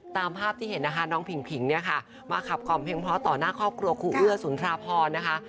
ตามภาพที่เห็นนะคะน้องผิงผิงเนี่ยค่ะมาขับกล่อมเพลงเพราะต่อหน้าครอบครัวครูเอื้อสุนทราพรนะคะ